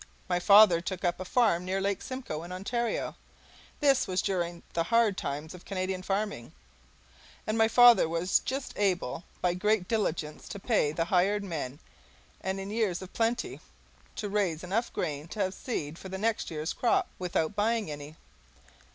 My father took up a farm near Lake Simcoe, in Ontario. This was during the hard times of Canadian farming, and my father was just able by great diligence to pay the hired men and, in years of plenty, to raise enough grain to have seed for the next year's crop without buying any.